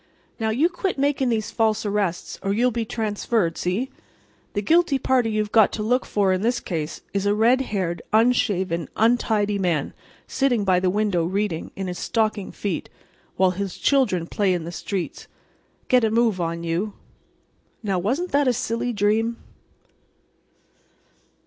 Now, you quit making these false arrests, or you'll be transferred—see? The guilty party you've got to look for in this case is a red haired, unshaven, untidy man, sitting by the window reading, in his stocking feet, while his children play in the streets. Get a move on you." Now, wasn't that a silly dream?